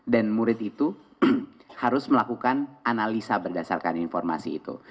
dan murid itu harus melakukan analisa berdasarkan informasi itu